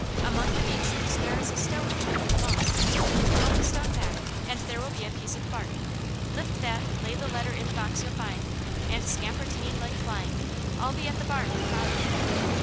Among the beech roots there is a stone hidden with moss. Roll the stone back and there will be a piece of bark. Lift that, lay the letter in the box you'll find, and scamper to me like flying. I'll be at the barn with father."